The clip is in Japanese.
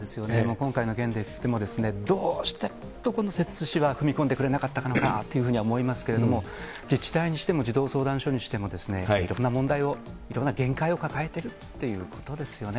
今回の件でいっても、どうして摂津市は踏み込んでくれなかったのかというふうには思いますけれども、自治体にしても児童相談所にしても、いろんな問題を、いろんな限界を抱えているということですよね。